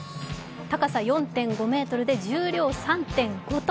高さ４．５ｍで重量３．５ｔ。